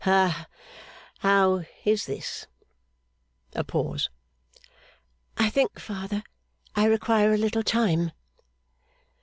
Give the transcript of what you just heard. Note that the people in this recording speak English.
Ha how is this?' A pause. 'I think, father, I require a little time.